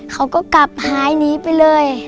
เขาก็กลับหายหนีไปเลย